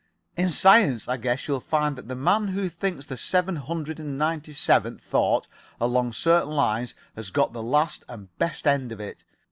In science I guess you'll find that the man who thinks the seven hundred and ninety seventh thought along certain lines has got the last and best end of it.